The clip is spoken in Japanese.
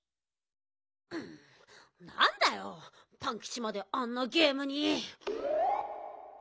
なんだよパンキチまであんなゲームに。